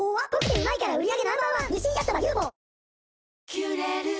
「キュレル」